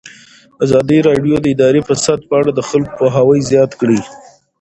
ازادي راډیو د اداري فساد په اړه د خلکو پوهاوی زیات کړی.